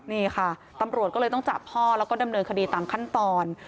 นี่ค่ะตำรวจก็เลยต้องจับพ่อแล้วก็ดำเนินคดีตามขั้นตอน